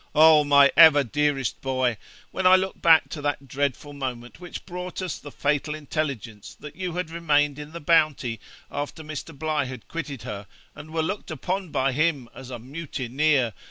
Oh! my ever dearest boy, when I look back to that dreadful moment which brought us the fatal intelligence that you had remained in the Bounty after Mr. Bligh had quitted her, and were looked upon by him as a mutineer!